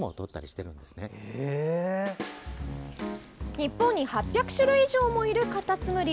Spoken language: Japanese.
日本に８００種類以上もいるカタツムリ。